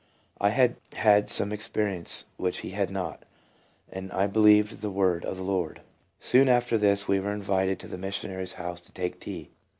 I had had some experience which he had not, and I believed the word of the Lord. Soon after this we were invited to the missionary's house to take tea.